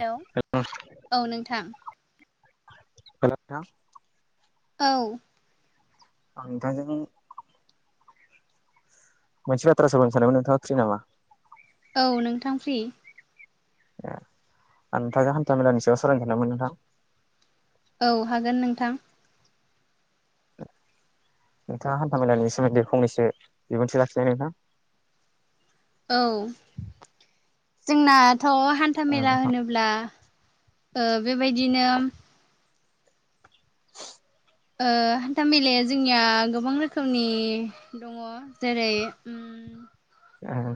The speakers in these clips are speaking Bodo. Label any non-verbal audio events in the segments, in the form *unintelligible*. हेलौ औ नोंथां। हेल' नोंथां। औ। आं नोंथांजों मोनसे बाथ्रासो सोंनो सानदोंमोन नोंथाङा फ्रि नामा? औ नोंथां फ्रि। ए आं नोंथाङा हान्था मेलानि सायाव सावरायनो सान्दोंमोन नोंथां। औ हागोन नोंथां। नोंथाङा हान्था मेलानि सोमोन्दै फंनैसो बिबुंथि लाखिनाय नोंथां। औ जोंनाथ' औ हान्थामेला नोंथां होनोब्ला ओ बेबायदिनो ओ हान्था मेलाया जोंनिया गोबां रोखोमनि दङ। जेरै उम उम।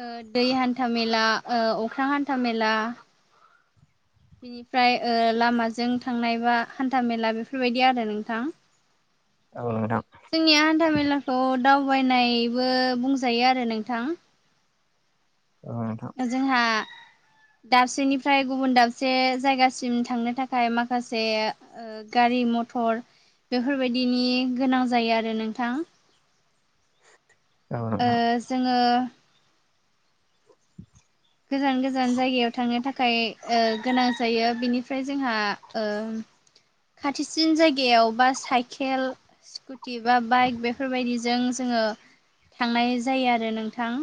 ओ दै हान्था मेला ओ अख्रां हान्था मेला बिनिफ्राय ओ लामाजों थांनाय बा हान्थाामेला बेफोरबायदि आरो नोंथां। औ नोंथां। जोंनिया हान्था मेलाखौ दावबायनायबो बुंजायो आरो नोंथां। औ नोंथां। जोंहा दाबसेनिफ्राय गुबुन दाबसे जायगासिम थांनो थाखाय माखासे ओ गारि मथर बेफोरबायदिनि गोनां जायो आरो नोंथां। औ ओ नोंथां जोङो गोजान गोजान जायगायाव थांनो थाखाय ओ गोनां जायो बिनिफ्राय जोंहा ओ खाथिसिन जायगायाव बा साइकेल स्क स्कुटि बा बाइक बेफोरबायदिजों जोङो थांनाय जायो आरो नोंथां।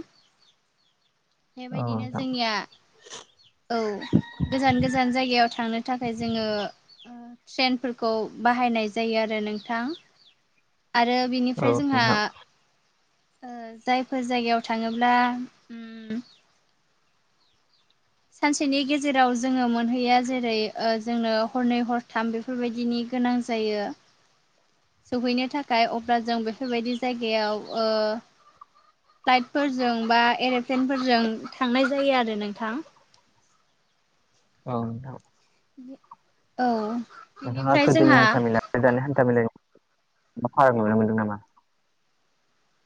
औ बेबायदिनो नोंथां जोंनिया औ गोजान गोजान जायगायाव थांनो थाखाय जोङो ट्रेनफोरखौ बाहायनाय जायो आरो नोंथां। आरो बिनिफ्राय औ जोंहा नोंथां जायफोर जायगायाव थाङोब्ला उम सानसेनि गेजेराव जोङो मोनहैया जेरै ओ जोंनो हरनै हरथाम बेफोर बेफोरबायदिनि गोनां जायो। सहैनो थाखाय अब्ला जों बेफोरबायदि जायगायाव ओ फ्लाइटफोरजों बा एर'प्लेनफोरजों थांनाय जायो आरो नोंथां। औ नोंथां औ नोंथाङा बिनिफ्राय गोदोनि जोंहा हान्था मेला गो दानि हान्था मेलानि मा फाराग नुनो मोनदों नामा?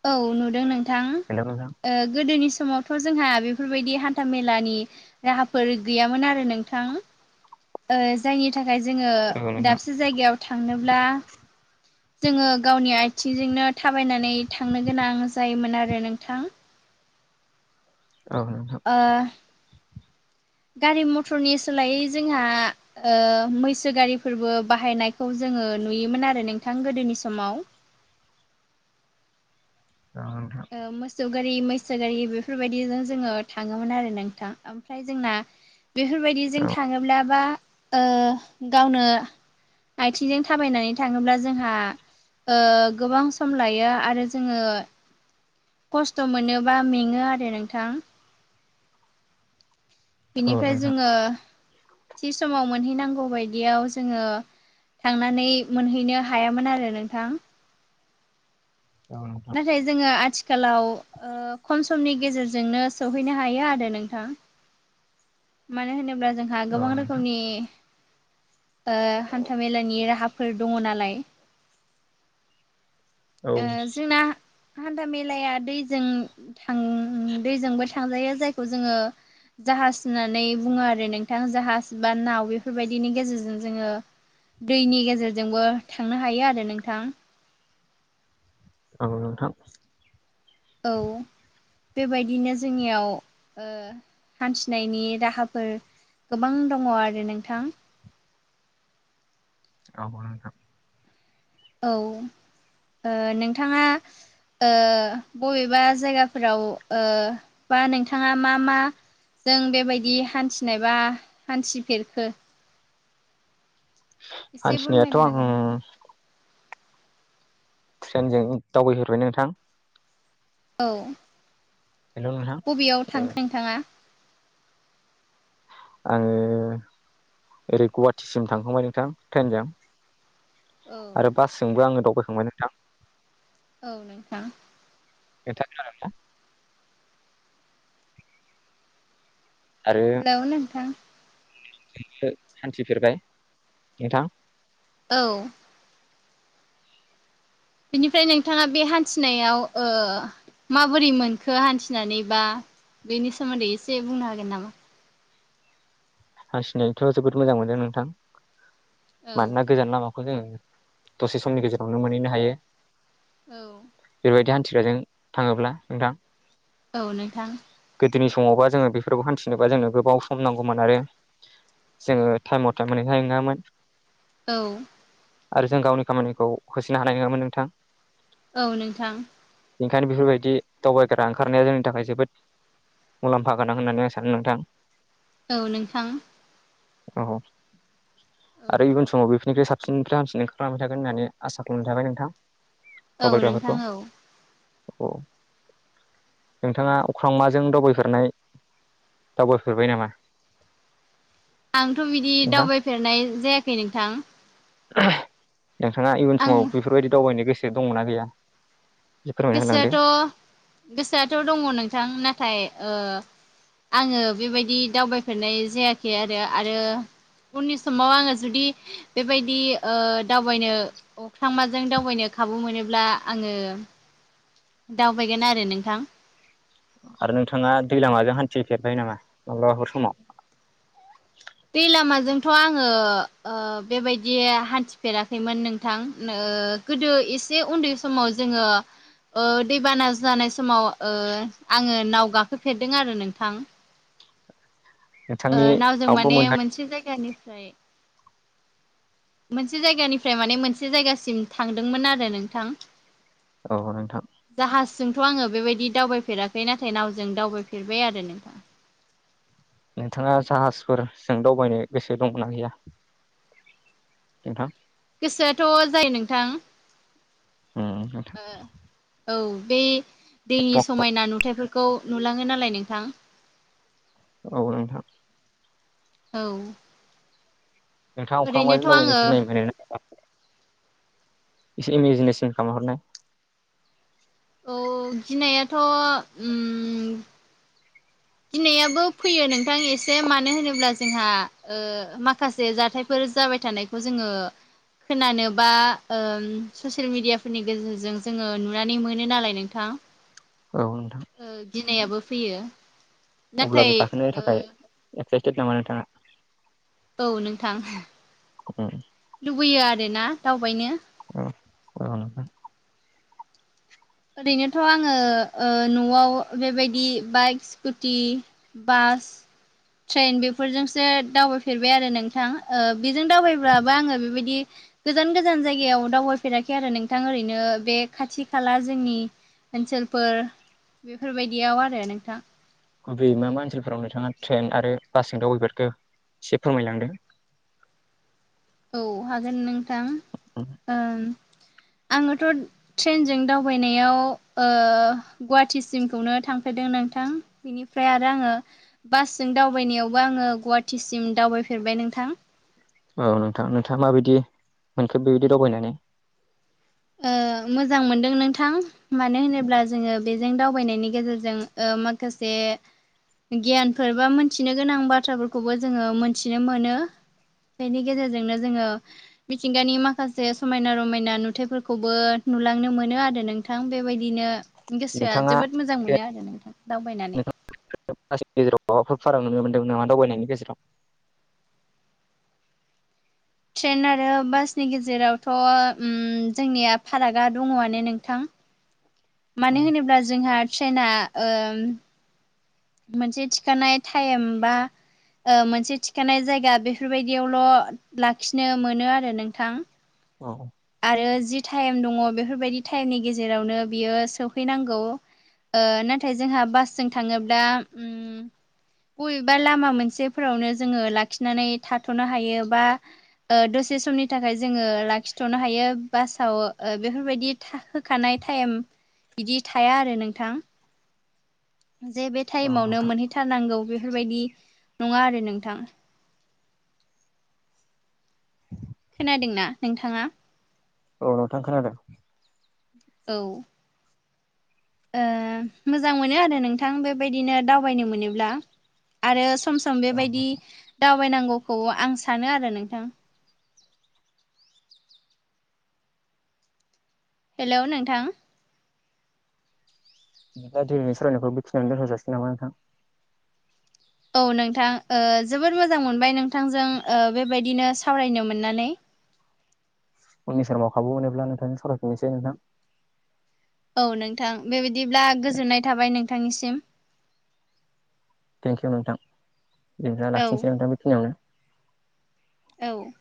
औ नुदों नोंथां। हेल' नोंथां ओ गोदोनि समावथ' जोंहा बेफोरबायदि हान्था मेलानि राहाफोर गैयामोन आरो नोंथां जायनि थाखाय जोङो औ नोंथां दाबसे जायगायाव थांनोब्ला जोङो गावनि आथिंजोंनो थाबायनानै थांनो गोनां जायोमोन आरो नोंथां। औ ओ गारि मथरनि सोलायै जोंहा ओ मैसो गारिफोरबो बाहायनायखौ जोङो नुयोमोन आरो नोंथां गोदोनि समाव। औ नोंथां। ओ मोसौ गारि मैसो गारि बेफोरबायदिजों जोङो थाङोमोन आरो नोंथां। ओमफ्राय जोंना औ बेफोरबायदिजों थाङोब्ला बा ओ गावनो आइथिंजों थाबायनानै थाङोब्ला जोंहा गोबां सम लायो आरो जोङो खस्थ' मोनोबा मेङो आरो नोंथां। औ बिनिफ्राय नोंथां जोङो, थि समाव मोनहैनांगौ बायदियाव जोङो थांनानै मोनहैनो हायामोन आरो नोंथां औ नं नाथाय जोङो आथिखालाव ओ खम समनि गेजेरजोंनो सहैनो हायो आरो नोंथां मानो होनोब्ला जोंहा औ नोंथां औ गोबां रोखोमनि हान्थामेलानि राहाफोर दङ नालाय ओ जोंना हान्दा मेलाया दैजों थां दैजोंबो थांजायो जायखौ जोङो जाहाज होननानै बुङो आरो नोंथां जाहाज बा नाव बेफोरबायदिनि गेजेरजों जोङो दैनि गेजेरजोंबो थांनो हायो आरो नोंथां औ औ बेबायदिनो जोंनियाव ओ हान्थिनायनि राहाफोर गोबां दङ आरो नोंथां। *unintelligible* औ औ नोंथाङा ओ बबेबा जायगाफोराव औ बा नोंथाङा मा मा जों बेबायदि हान्थिनायबा हान्थिफेरखो एसे फोरमायनो हान्थिनायाथ' आं हागोन नामा? ट्रेनजों दावबायफेरबाय नोंथां औ हेल' नोंथां बबेयाव ओ थां थांखौ नोंथाङा आङो ओरै गुवाहाटिसिम थांखांबाय नोंथां ट्रेनजों औ आरो बासजोंबो आङो दावबायखांबाय नोंथां औ नोंथां नोंथाङा खोनादों ना? आरो हेलौ नोंथां *unintelligible* हान्थिफेरबाय नोंथां औ बिनिफ्राय नोंथाङा बे हान्थिनायाव ओ माबोरै मोनखो हान्थिनानै बा बेनि सोमोन्दै एसे बुंनो हागोन नामा? हान्थिनायथ' जोबोद मोजां मोनो नोंथां। औ मानोना गोजान लामाखौ जोङो दसे समनि गेजेरावनो मोनहैनो हायो। औ। बेबायदि हान्थिग्राजों थाङोब्ला नोंथां औ नोंथां। गोदोनि समावबा जोङो बेफोरखौ हान्थिनोबा जोंनो गोबाव सम नांगौमोन आरो जोङो टाइमाव मटे मोनैहाय नङामोन‌। औ। आरो जों गावनि खामानिखौ होसोनो हानाय नङामोन नोंथां। औ नोंथां। ओंखायनो बेफोरबायदि दावबायग्रा ओंखारनाया जोंनि थाखाय जोबोद मुलाम्फागोनां होननानै आं सानो नोंथां औ नोंथां औ औ आरो इयुन समाव बेफोरनिफ्राय सा साबसिनिफ्राय हामसिन ओंखार खालामबाय थागोन होननानै आसा खालामनाय थाबाय नोंथां। औ नोंथां दबायग्राफोरखौ औ औ नोंथाङा अख्रांमाजों दावबायफेरनाय दावबायफेरबाय नामा? आंथ' बिदि नोंथां दावबायफेरनाय जायाखै नोंथां *unintelligible* नोंथाङा इयुन आं समाव बेफोरबायदि दावबायनो गोसो दङ ना गैया? एसे फोरमायना होलांदो गोसोआथ' गोसोआथ' दङ नोंथां नाथाय ओ आंङो बेबायदि दावबायफेरनाय जायाखै आरो आरो उननि समाव आंङो जुदि बेबायदि ओ दावबायनो अख्रां माजों दावबायनो खाबु मोनोब्ला आंङो दावबायगोन आरो नोंथां। आरो नोंथाङा दैलामाजों हान्थिफेरबाय नामा माब्लाबाफोर समाव? दै लामाजोंथ' आंङो ओ बेबायदि हान्थिफेराखैमोन नोंथां नो ओ गोदो एसे उन्दै समाव जोङो ओ दैबाना जानाय समाव आंङो नाव गाखोफेरदों आरो नोंथां। नोंथांनि नावजों माबाखौ माने मोनहा मोनसे जायगानिफ्राय मोनसे जायगानिफ्राय माने मोनसे जायगासिम थांदोंमोन आरो नोंथां। औ नोंथां। जाहाजजोंथ' आंङो बेबायदि दावबायफेराखै नाथाय नावजों दावबायफेरबाय आरो नों नोंथाङा जाहाजफोरजों दावबायनो गोसो दंना गैया? नोंथां। गोसोआथ' जायो नोंथां। उम नोंथां औ बे दैनि समायना नुथायाइफोरखौ नुलाङो नालाय नोंथां। औ नोंथां। औ। नोंथाङा अखांमाजों ओरैनोथ' दावबायवनो आङो गिनाय मोनो ना? एसे इमेजिनेसन खालाम हरनाय। औ गिनायाथ' उम्म दिनैयाबो फैयो नोंथां एसे मानो होनोब्ला जोंहा ओ माखासे जाथायफोर जाबाय थानाय खौ जोङो खोनानोबा ओ ससियेल मेडियाफोरनि गेजेरजों जोङो नुनानै मोनो नालाय नोंथां। औ नोंथां। ओ गिनायाबो फैयो। नाथाय अब्लाबो गाखोनो ओ थाखाय एक्साइटेड नामा नोंथाङा? औ नोंथां औ लुबैयो आरोना दावबायनो। अ *unintelligible* ओरैनोथ' आंङो ओ न'आव बेबायदि बाइक स्कुटि बास ट्रेन बेफोरजोंसो दावबायफेरबाय आरो नोंथां बेजों दावबायब्लाबो आंङो बेबायदि गोजान गोजान जायगायाव दावबायफेराखै आरो नोंथां ओरैनो बे खाथि खाला जोंनि ओनसोलफोर बेफोरबायदियाव आरो नोंथां। गुबैयै मा मा ओनसोलफोराव नोंथाङा ट्रेन आरो बासजों दावबायफेरखो एसे फोरमायलांदों। औ हागोन नोंथां ओ आंङोथ' ट्रेनजों दावबायनायाव गुवाहाटिसिमखौनो थांफेरदों नोंथां। बेनिफ्राय आरो आङो बासजों दावबायनायावबो आङो गुवाहाटिसिम दावबायफेरबाय नोंथां। औ नोंथां नोंथाङा माबायदि मोनखो बेबायदि दावबायनानै ओ मोजां मोनदों नोंथां। मानो होनोब्ला जोङो बेजों दावबायनायनि गेजेरजों ओ माखासे गियानफोर बा मोनथिनो गोनां बाथ्राफोरखौबो जोङो मोनथिनो मोनो। बेनि गेजेरजोंनो जोङो मिथिंगानि माखासे समायना रमायना नुथायफोरखौ खौबो नुलांनो मोनो आरो नोंथां बेबायदिनो गोसोआ नोंथाङा जोबोद मोजां मोनो आरोना दावबायनानै। गेजेराव माबाफोर फाराग नुनो मोन्दों नामा दावबायनायनि गेजेराव? ट्रेन आरो बासनि गेजेरावथ'ओ जोंनिया फारागा दङआनो नोंथां। मानो होनोब्ला जोंहा ट्रेना ओ मोनसे थिखानाय टाइम बा ओ मोनसे थिखानाय जायगा बेफोरबायदियावल' लाखिनो मोनो आरो नोंथां औ आरो जि टाइम दङ बेफोरबायदि टाइमनि गेजेरावनो बियो सहैनांगौ ओ नाथाय जोंहा बासजों थाङोब्ला उम बबेबा लामा मोनसेफोरावनो जोङो लाखिनानै थाथ'नो हायो बा ओ दसे समनि थाखाय जोङो लाखि थ'नो हायो बासाव बेफोरबायदि होखानाय टाइम बिदि थाया आरो नोंथां जे बे औ टाइमावनो नोंथां मोनहैथारनांगौ बेफोरबायाददि नङा आरो नोंथां। खोनादोंना नोंथाङा? औ नोंथां खोनादों औ ओ मोजां मोनो आरो नोंथां बेबायदिनो दावबायनो मोनोब्ला आरो सम सम औ बेबायदि दावबायनांगौखौ आं सानो आरो नोंथां। हेल' नोंथां बिनिफ्राय दिनै सरायनायखौ बेखियावनो दोनथ'जासिगोन नामा नोंथां? औ नोंथां ओ जोबोर मोजां मोनबाय नोंथांजों ओ बेबायदिनो सावरायनो मोननानै उननि समाव खाबु मोनोब्ला नोंथांजों सावरायफिननोसै नोंथां औ नोंथां बेबायदिब्ला गोजोननाय थाबाय नोंथांनिसिम थेंक इउ नोंथां नोंथाङा औ लाखिनोसै नोंथां बेखिनियावनो औ